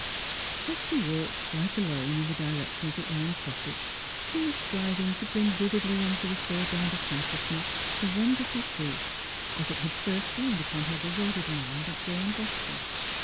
As she walked quite alone in the direction of the Orne cottage she was striving to bring vividly into the foreground of consciousness the wonder ful truth, as it had first dawned upon her bewil dered mind that day in Boston.